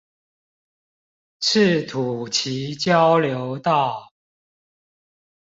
赤土崎交流道